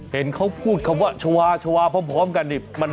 เห็นเขาพูดคำว่าชาวาชาวาพร้อมกันนี่